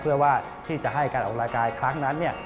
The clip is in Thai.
เพื่อว่าที่จะให้การออกรายการครั้งนั้น